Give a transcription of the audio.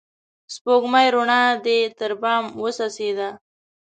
سپوږمۍ روڼا دي تر بام وڅڅيده